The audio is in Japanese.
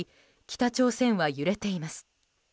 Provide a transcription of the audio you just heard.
北朝鮮は揺れています。